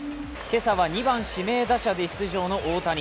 今朝は２番・指名打者で出場の大谷。